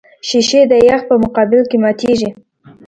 شیشې د یخ په مقابل کې ماتېږي.